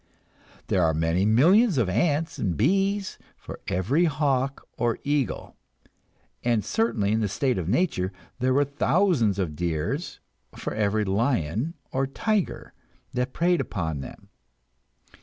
There are many millions of ants and bees for every hawk or eagle, and certainly in the state of nature there were thousands of deer for every lion or tiger that preyed upon them.